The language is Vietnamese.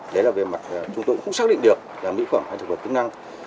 đấy là về mặt chúng tôi cũng xác định được là mỹ phẩm hay thực vật tính năng